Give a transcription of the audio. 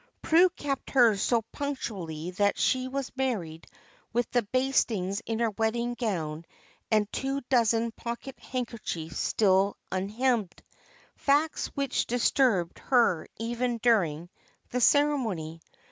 Prue kept hers so punctually that she was married with the bastings in her wedding gown and two dozen pocket handkerchiefs still unhemmed; facts which disturbed her even during the ceremony.